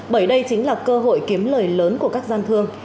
bởi đây chính là cơ hội kiếm lời lớn của các gian thương